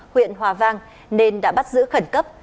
huyện hòa vang nên đã bắt giữ khẩn cấp